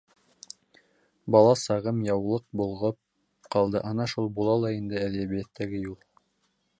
Бала сағым яулыҡ болғап ҡалды Ана шул була ла инде әҙәбиәттәге юл.